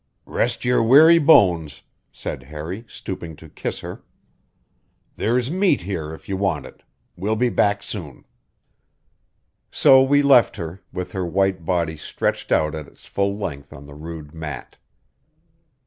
"Rest your weary bones," said Harry, stooping to kiss her. "There's meat here if you want it. We'll be back soon." So we left her, with her white body stretched out at its full length on the rude mat.